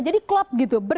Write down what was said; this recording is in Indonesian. jadi club gitu